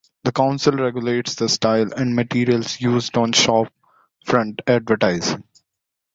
The council regulates the style and materials used on shop front advertising.